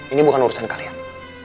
ini bukan urusan kalian